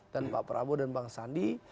dan pak prabowo dan bang sandi